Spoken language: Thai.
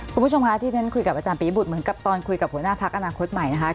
คุณผู้ชมคะที่ฉันคุยกับอาจารย์ปียบุตรเหมือนกับตอนคุยกับหัวหน้าพักอนาคตใหม่นะคะ